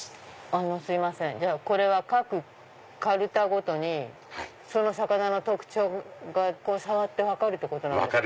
あのすいません各カルタごとにその魚の特徴が触って分かるってことですか？